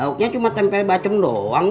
lauknya cuma tempe bacem doang bob